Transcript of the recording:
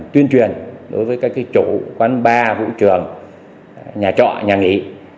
tuyên truyền đối với các chủ quán bar vũ trường nhà trọ nhà nghỉ